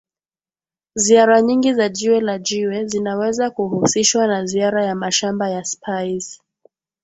Ziara nyingi za jiwe la jiwe zinaweza kuhusishwa na ziara ya mashamba ya Spice